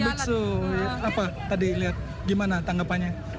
oh biksu apa tadi lihat gimana tanggapannya